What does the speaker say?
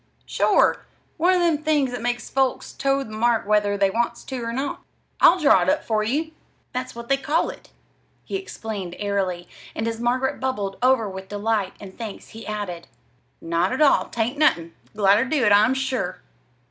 "Sure! One of them things that makes folks toe the mark whether they wants to or not. I'll draw it up for you that's what they call it," he explained airily; and as Margaret bubbled over with delight and thanks he added: "Not at all. 'Tain't nothin'. Glad ter do it, I'm sure!"